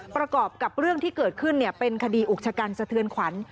ประกอบกับเรื่องที่เกิดขึ้นเป็นคดีอุกชะกันสะเทือนขวัญ